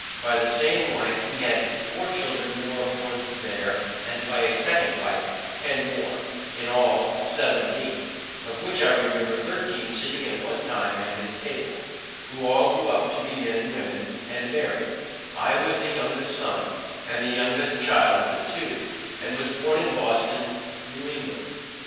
By the same wife he had four children more born there, and by a second wife ten more, in all seventeen; of which I remember thirteen sitting at one time at his table, who all grew up to be men and women, and married; I was the youngest son, and the youngest child but two, and was born in Boston, New England.